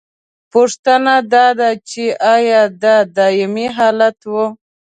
پوښتنه دا ده چې ایا دا دائمي حالت و؟